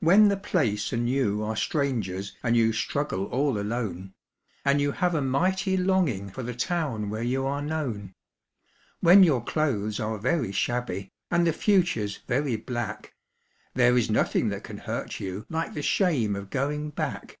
When the place and you are strangers and you struggle all alone, And you have a mighty longing for the town where you are known; When your clothes are very shabby and the future's very black, There is nothing that can hurt you like the shame of going back.